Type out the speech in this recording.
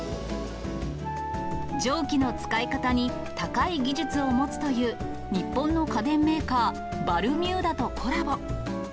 蒸気の使い方に高い技術を持つという日本の家電メーカー、バルミューダとコラボ。